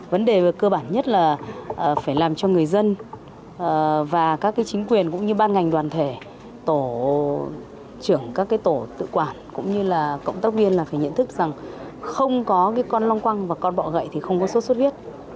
vấn đề về cơ bản nhất là phải làm cho người dân và các chính quyền cũng như ban ngành đoàn thể tổ trưởng các tổ tự quản cũng như là cộng tác viên là phải nhận thức rằng không có con long quăng và con bọ gậy thì không có sốt xuất huyết